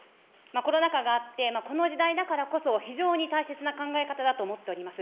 コロナ禍があって、この時代だからこそ、非常に大切な考え方だと思っております。